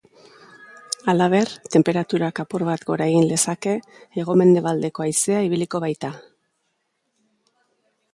Halaber, tenperaturak apur bat gora egin lezake, hego-mendebaldeko haizea ibiliko baita.